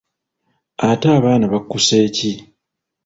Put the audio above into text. Ate abaana bakusse ki?